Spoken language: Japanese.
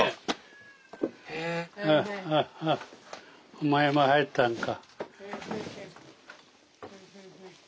お前も入ったんか。